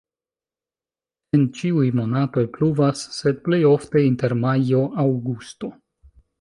En ĉiuj monatoj pluvas, sed plej ofte inter majo-aŭgusto.